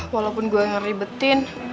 walaupun gue yang ribetin